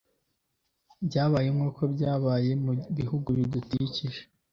byabaye nk uko byabaye mu bihugu bidukikije